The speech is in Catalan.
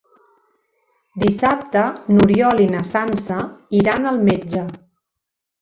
Dissabte n'Oriol i na Sança iran al metge.